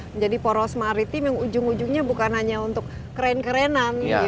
menjadi poros maritim yang ujung ujungnya bukan hanya untuk keren kerenan